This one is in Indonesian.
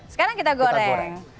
sekarang kita goreng